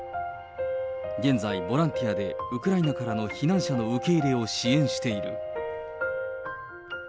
現在、ボランティアでウクライナからの避難者の受け入れを支援している。